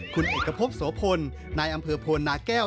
คุณเอกพบโสพลนายอำเภอโพนาแก้ว